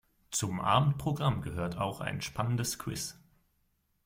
Zum Abendprogramm gehört auch ein spannendes Quiz.